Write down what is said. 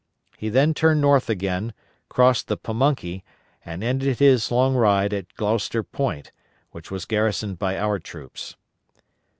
He then turned north again, crossed the Pamunkey, and ended his long ride at Gloucester Point, which was garrisoned by our troops.